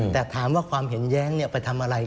แต่ถามว่าความเห็นแย้งไปทำอะไร